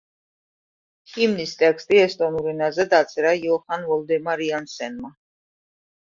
ჰიმნის ტექსტი ესტონურ ენაზე დაწერა იოჰან ვოლდემარ იანსენმა.